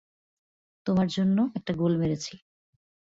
তোমার জন্য একটা গোল মেরেছি।